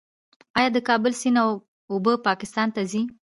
آیا د کابل سیند اوبه پاکستان ته ځي؟